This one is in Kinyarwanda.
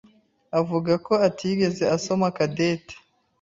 avuga ko atigeze asoma Cadette.